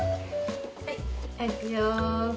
はいはいいくよ。